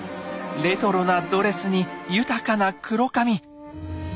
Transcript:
レトロなドレスに豊かな黒髪。